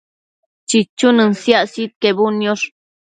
chichunën siac sidquebudniosh